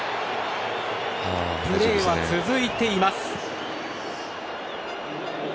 プレーは続いています。